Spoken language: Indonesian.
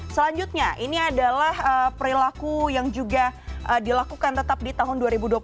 selanjutnya ini adalah perilaku yang juga dilakukan tetap di tahun dua ribu dua puluh satu